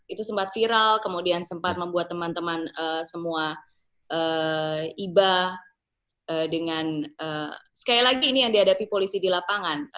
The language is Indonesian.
itu sempat viral kemudian sempat membuat teman teman semua iba dengan sekali lagi ini yang dihadapi polisi di lapangan